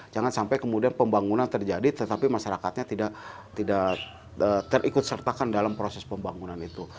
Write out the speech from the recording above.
jangan sampai kemudian pembangunan terjadi tetapi masyarakatnya tidak terikut sertakan dalam proses pembangunan itu